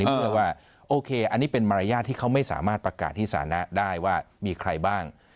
เพื่อว่าโอเคอันนี้เป็นมารยาทที่เขาไม่สามารถประกาศที่สานะได้ว่ามีใครบ้าง